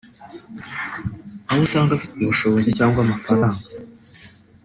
aho usanga ufite ubushobozi cyangwa amafaranga